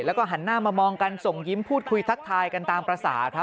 แล้วก็หันหน้ามามองกันส่งยิ้มพูดคุยทักทายกันตามภาษาครับ